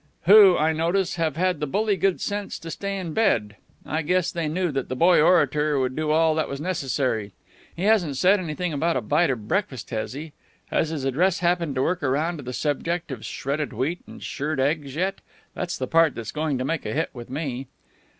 "Who, I notice, have had the bully good sense to stay in bed. I guess they knew that the Boy Orator would do all that was necessary. He hasn't said anything about a bite of breakfast, has he? Has his address happened to work around to the subject of shredded wheat and shirred eggs yet? That's the part that's going to make a hit with me."